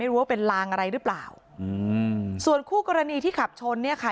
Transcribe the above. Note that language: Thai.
หรือเปล่าอืมส่วนคู่กรณีที่ขับชนเนี่ยค่ะ